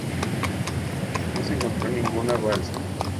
No se encontró ninguna balsa.